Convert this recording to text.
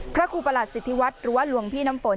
พระครูประหลัสสิทธิวัฒน์หรือว่าหลวงพี่น้ำฝน